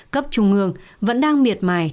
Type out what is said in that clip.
cấp trung ương vẫn đang miệt mài